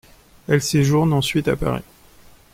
Elle séjourne ensuite à Paris.